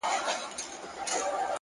o خدایه چي د مرگ فتواوي ودروي نور،